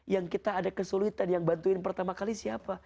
yang kita ada kesulitan yang bantuin pertama kali siapa